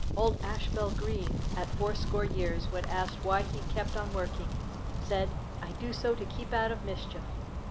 Old Ashbel Green, at fourscore years, when asked why he kept on working, said, "I do so to keep out of mischief."